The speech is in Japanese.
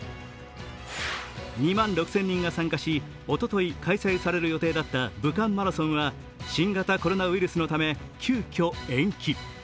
２万６０００人が参加し、おととい開催される予定だった武漢マラソンは新型コロナウイルスのため急きょ延期。